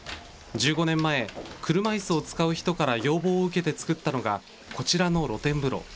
１５年前、車いすを使う人から要望を受けて作ったのが、こちらの露天風呂。